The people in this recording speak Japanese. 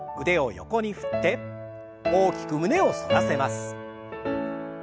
腕を横に振って大きく胸を反らせます。